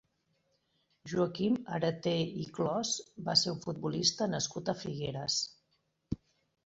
Joaquim Arater i Clos va ser un futbolista nascut a Figueres.